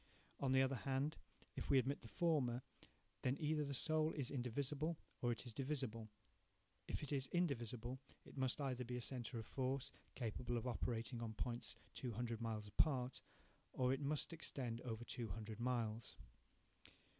On the other hand, if we admit the former, then either the soul is indivisible, or it is divisible. If indivisible, it must either be a centre of force, capable of operating on points two hundred miles apart, or it must extend over two hundred miles.